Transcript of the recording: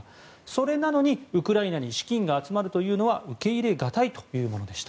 それなのにウクライナに資金が集まるというのは受け入れがたいというものでした。